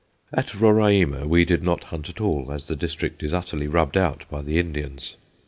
At Roraima we did not hunt at all, as the district is utterly rubbed out by the Indians.